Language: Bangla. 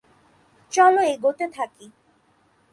চলো এগোতে থাকি।